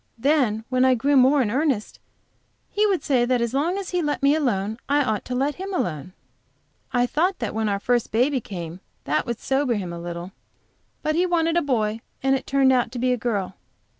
Then when I grew more in earnest he would say, that as long as he let me alone I ought to let him alone. I thought that when our first baby came that would sober him a little, but he wanted a boy and it turned out to be a girl.